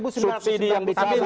subsidi yang dicatat